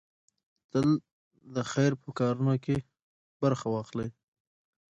تل د خير په کارونو کې برخه واخلئ.